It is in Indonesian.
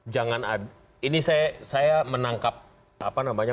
jangan ada ini saya